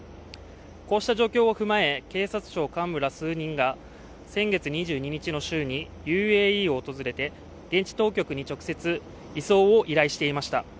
こうした状況を踏まえ、警察庁幹部ら数人が先月２２日の週にＵＡＥを訪れて現地当局に直接移送を依頼していました。